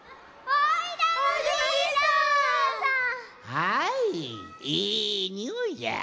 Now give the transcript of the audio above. はいいいにおいじゃ。